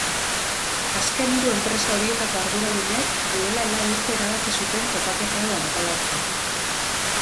Azken hiru enpresa horietako arduradunek duela lau urte erabaki zuten topaketa hau antolatzea.